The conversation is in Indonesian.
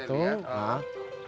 betul dari saya lihat